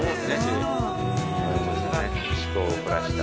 趣向を凝らした。